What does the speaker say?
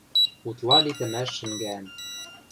Утла литӹмӓш шӹнгӓӓн.